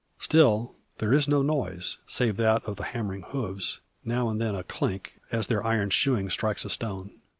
Still there is no noise, save that of the hammering hooves, now and then a clink, as their iron shoeing strikes a stone.